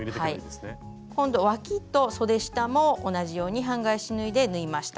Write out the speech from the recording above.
今度わきとそで下も同じように半返し縫いで縫いました。